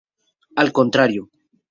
Al contrario.